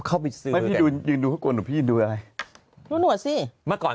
เข้าไปซื้อพี่ยืนดูก็โกนหนูพี่ยืนดูอะไรหนวดหนวดสิเมื่อก่อน